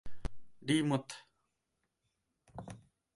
De Muth.